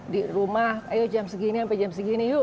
di rumah ayo jam segini sampai jam segini yuk